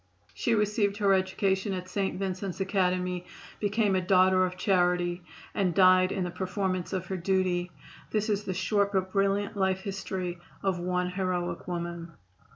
She received her education at St. Vincent's Academy, became a Daughter of Charity and died in the performance of her duty. This is the short but brilliant life history of one heroic woman.